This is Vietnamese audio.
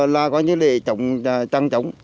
là lệ trọng trăng trống